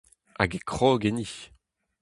Hag e krog enni.